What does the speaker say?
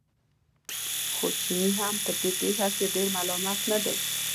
خو چینی هم په دې پېښه کې ډېر ملامت نه دی.